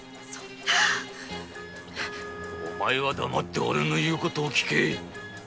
お前は黙っておれの言うことを聞け！